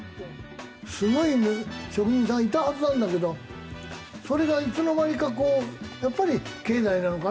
すごい職人さんがいたはずなんだけどそれがいつの間にかこうやっぱり経済なのかな？